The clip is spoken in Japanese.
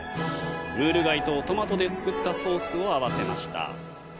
ムール貝とトマトで作ったソースを合わせました。